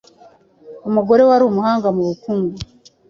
umugore wari umuhanga mu bukungu,